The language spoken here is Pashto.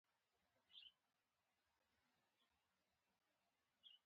د خوبونو تعبیرونه دې اسماني رازونه سپړل.